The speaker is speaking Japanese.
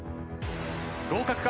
合格か？